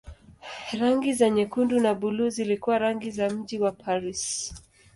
Rangi za nyekundu na buluu zilikuwa rangi za mji wa Paris.